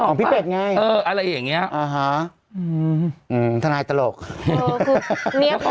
ของพี่เป็ดไงเอออะไรอย่างเงี้ยอ่าฮะอืมทนายตลกเออคือ